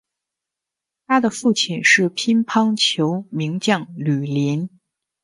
他的父亲是乒乓球名将吕林。